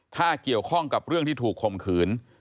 ถ้าเกี่ยวข้องกับเรื่องที่ถูกคมขืน